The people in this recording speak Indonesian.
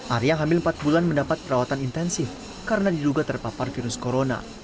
arya hamil empat bulan mendapat perawatan intensif karena diduga terpapar virus corona